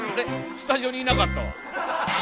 スタジオにいなかったわ。